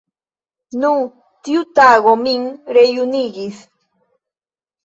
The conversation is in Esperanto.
Nu, tiu tago min rejunigis.